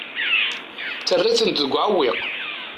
Tettarra-ten deg uɛewwiq.